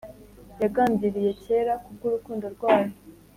yagambiriye kera ku bw'urukundo rwayo,